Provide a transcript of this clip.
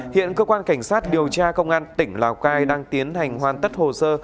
hiện cơ quan cảnh sát điều tra công an tỉnh lào cai đang tiến hành hoàn tất hồ sơ